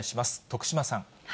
徳島さん。